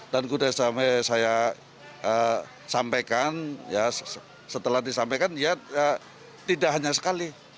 dan sudah saya sampaikan setelah disampaikan ya tidak hanya sekali